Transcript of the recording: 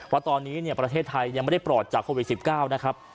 ว่าตอนนี้ประเทศไทยยังไม่ได้ปลอดจากโควิด๑๙นะครับ